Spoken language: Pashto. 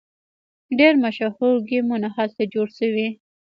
ډیر مشهور ګیمونه هلته جوړ شوي.